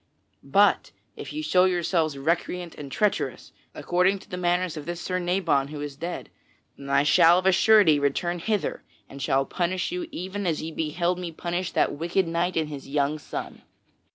But if ye show yourselves recreant and treacherous, according to the manners of this Sir Nabon who is dead, then I shall of a surety return hither and shall punish you even as ye beheld me punish that wicked knight and his young son."